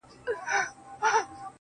خدوخال ایرانی دی